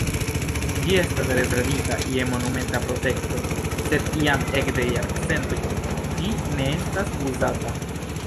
Ĝi estas rezervita je monumenta protekto, sed jam ekde jarcentoj ĝi ne estas uzata.